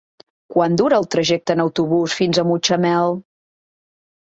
Quant dura el trajecte en autobús fins a Mutxamel?